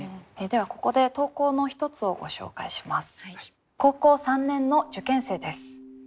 ではここで投稿の一つをご紹介します。